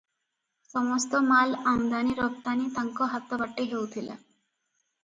ସମସ୍ତ ମାଲ ଆମଦାନି ରପ୍ତାନି ତାଙ୍କ ହାତ ବାଟେ ହେଉଥିଲା ।